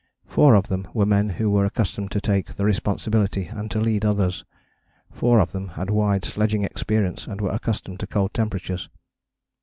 Four of them were men who were accustomed to take responsibility and to lead others. Four of them had wide sledging experience and were accustomed to cold temperatures.